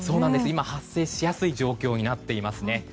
今、発生しやすい状況になっていますね。